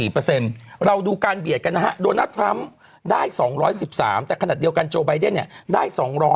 ๘๔เปอร์เซ็นต์เราดูการเบียดกันนะฮะโดนัททรัมป์ได้๒๑๓แต่ขนาดเดียวกันโจไบเดนเนี่ยได้๒๓๘